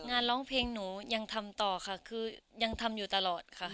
ร้องเพลงหนูยังทำต่อค่ะคือยังทำอยู่ตลอดค่ะ